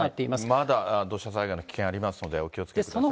まだ土砂災害の危険ありますので、お気をつけください。